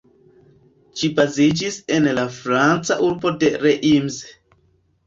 Ĝi baziĝis en la Franca urbo de Reims.